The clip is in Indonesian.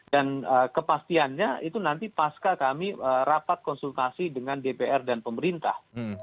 dan kepastiannya itu nanti pasca kami rapat konsultasi dengan dpr dan pemerintah